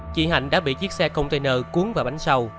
chi hạnh đã bị chiếc xe container cuốn vào bánh sâu